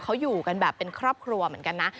เขาอยู่กันแบบเป็นครอบครัวเหมือนกันนะ